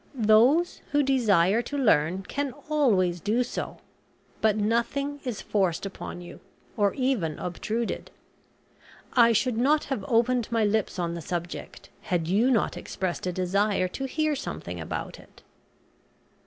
Those who desire to learn can always do so, but nothing is forced upon you, or even obtruded. I should not have opened my lips on the subject had you not expressed a desire to hear something about it."